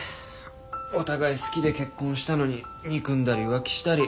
お互い好きで結婚したのに憎んだり浮気したり。